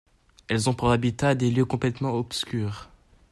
Elles ont pour habitats des lieux complètement obscurs.